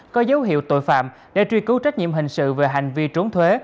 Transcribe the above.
có dấu hiệu tội phạm để truy cứu trách nhiệm hình sự về hành vi trốn thuế